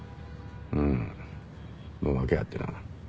うん訳あってな。